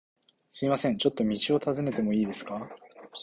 すみません、ちょっと道を尋ねてもいいですか？